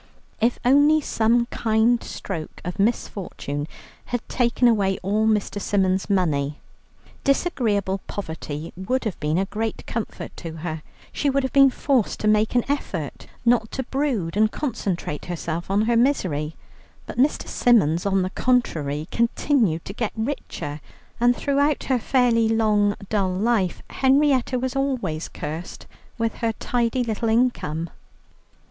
If only some kind stroke of misfortune had taken away all Mr. Symons' money. Disagreeable poverty would have been a great comfort to her. She would have been forced to make an effort; not to brood and concentrate herself on her misery. But Mr. Symons, on the contrary, continued to get richer, and throughout her fairly long, dull life, Henrietta was always cursed with her tidy little income.